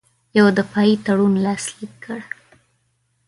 یو دفاعي تړون لاسلیک کړ.